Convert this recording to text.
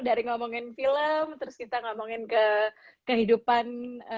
dari ngomongin film terus kita ngomongin ke kehidupan